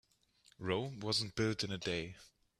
Rome wasn't built in a day.